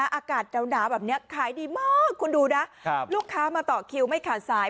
อากาศหนาวแบบนี้ขายดีมากคุณดูนะลูกค้ามาต่อคิวไม่ขาดสาย